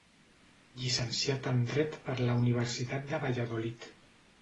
Llicenciat en Dret per la Universitat de Valladolid.